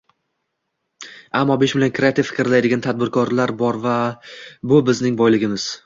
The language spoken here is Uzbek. ammo besh million kreativ fikrlaydigan tadbirkorlar bor va bu bizning boyligimiz.